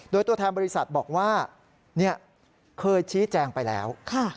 โดยตัวแทนบริษัทบอกว่าเคยชี้แจงไปแล้ว